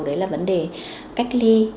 đấy là vấn đề cách ly